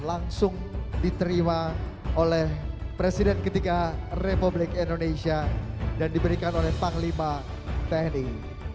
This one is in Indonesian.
langsung diterima oleh presiden ketiga republik indonesia dan diberikan oleh panglima tni